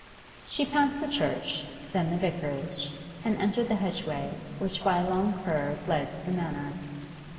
She passed the church, then the vicarage, and entered the hedgeway which by a long curve led to the Manor.